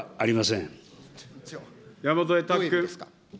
山添拓君。